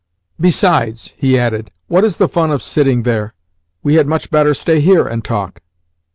"Besides," he added, "what is the fun of sitting there? We had much better stay HERE and talk."